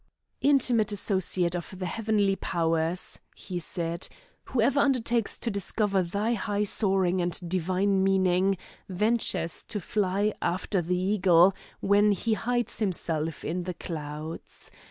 "Intimate associate of the heavenly powers," he said, "whoever undertakes to discover thy high soaring and divine meaning, ventures to fly after the eagle, when he hides himself in the clouds.